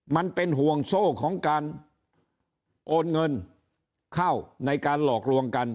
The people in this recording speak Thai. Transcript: มันเป็นห่วงโซ่ของการโอนเงินเข้าในการหลอกลวงกัน